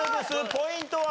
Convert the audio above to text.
ポイントは？